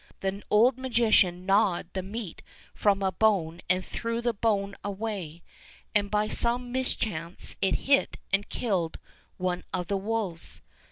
The old magician gnawed the meat from a bone and threw the bone away, and by some mischance it hit and killed one of the wolves.